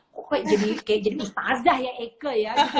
kok kayak jadi mustazah ya eke ya